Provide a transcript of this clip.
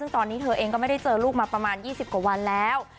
ซึ่งตอนนี้เธอเองก็ไม่ได้เจอลูกมาประมาณ๒๐กว่าวันแล้ว